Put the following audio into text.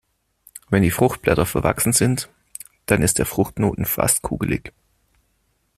Wenn die Fruchtblätter verwachsen sind, dann ist der Fruchtknoten fast kugelig.